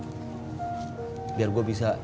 lu bisa bawa emak rumah sakit